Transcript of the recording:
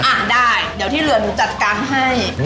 อ่ะได้เดี๋ยวที่เหลือหนูจัดการให้